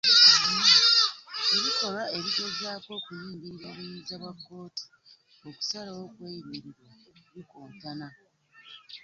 Ebikolwa ebigezaako okuyingirira obuyinza bwa kkooti okusalawo okweyimirirwa bikontana